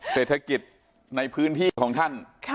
เศรษฐกิจในพื้นที่ของท่าน